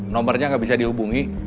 nomernya gak bisa dihubungi